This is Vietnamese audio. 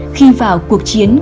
khi vào cuộc chiến